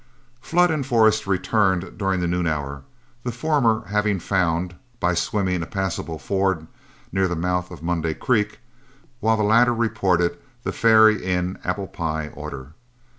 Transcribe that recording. Flood and Forrest returned during the noon hour, the former having found, by swimming, a passable ford near the mouth of Monday Creek, while the latter reported the ferry in "apple pie order."